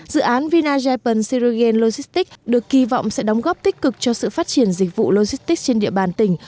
dự án vina japan sirogan logistics được kỳ vọng sẽ đóng góp tích cực cho sự phát triển dịch vụ logistics trên địa bàn tỉnh